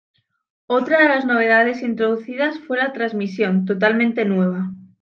Otra de las novedades introducidas fue la transmisión, totalmente nueva.